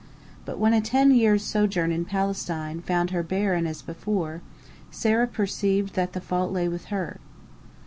But when a ten years' sojourn in Palestine found her barren as before, Sarah perceived that the fault lay with her.